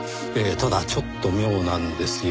ただちょっと妙なんですよ。